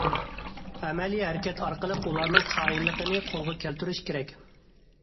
ئەمەلىي ھەرىكەت ئارقىلىق ئۇلارنىڭ قايىللىقىنى قولغا كەلتۈرۈش كېرەك.